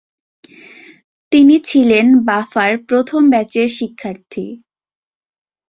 তিনি ছিলেন বাফার প্রথম ব্যাচের শিক্ষার্থী।